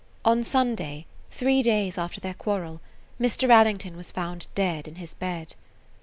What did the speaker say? On Sunday, three days after their quarrel, Mr. Allington was found dead in his bed.